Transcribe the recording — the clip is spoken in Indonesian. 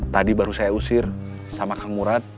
tadi baru saya usir sama kemurat